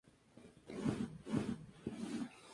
Las operaciones rusas cesaron con la Revolución rusa.